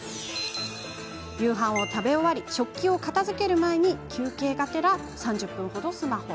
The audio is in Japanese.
夕飯を食べ終わったら食器を片づける前に休憩がてら３０分ほどスマホ。